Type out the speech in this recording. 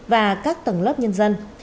và các tầng lớp nhân dân